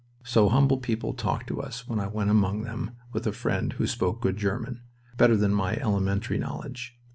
So humble people talked to us when I went among them with a friend who spoke good German, better than my elementary knowledge.